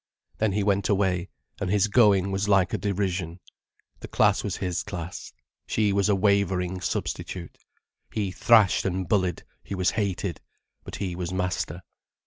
Then he went away, and his going was like a derision. The class was his class. She was a wavering substitute. He thrashed and bullied, he was hated. But he was master.